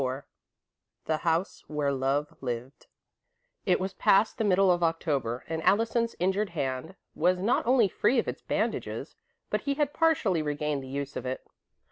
XXIV THE HOUSE WHERE LOVE LIVED It was past the middle of October, and Allison's injured hand was not only free of its bandages, but he had partially regained the use of it.